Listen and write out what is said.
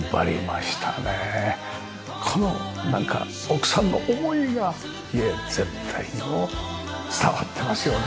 このなんか奥さんの思いが家全体の伝わってますよね！